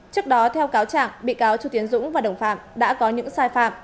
trước đó theo cáo trạng bị cáo chu tiến dũng và đồng phạm đã có những sai phạm